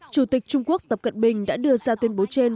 chủ tịch trung quốc tập cận bình đã đưa ra tuyên bố trên